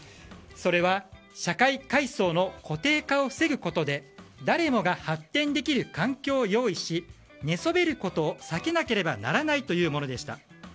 社会階層の固定化を防ぐことで誰もが発展できる環境を用意し、寝そべることを避けなければならないというものでした。